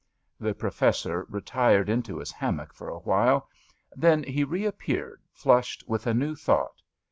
The Professor retired into his haromock for a while. Then he reappeared flushed with a new thought.